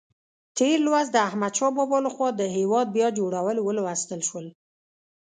تېر لوست د احمدشاه بابا لخوا د هېواد بیا جوړول ولوستل شول.